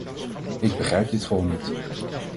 Ik begrijp dit gewoon niet.